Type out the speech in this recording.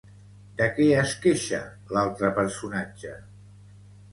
De què es queixa l'altre personatge?